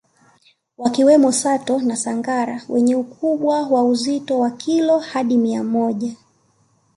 Wakiwemo Sato na Sangara wenye ukubwa wa uzito wa kilo hadi mia moja